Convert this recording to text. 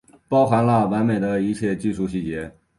包含了完美的一切技术细节